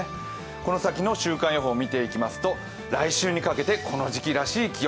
この先の週間予報を見ていきますと、来週にかけてこの時期らしい気温。